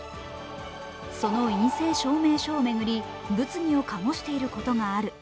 その陰性証明書を巡り、物議を醸していることがある。